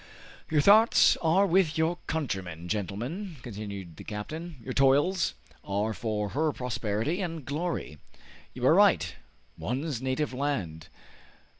"Your thoughts are with your country, gentlemen," continued the captain; "your toils are for her prosperity and glory. You are right. One's native land!